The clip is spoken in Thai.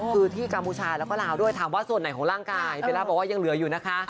คือที่กัมพูชาแล้วก็ลาวด้วยถามว่าส่วนไหนของร่างกายเบลล่าบอกว่ายังเหลืออยู่นะคะ